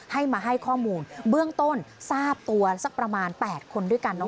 ให้มาให้ข้อมูลเบื้องต้นทราบตัวสักประมาณ๘คนด้วยกัน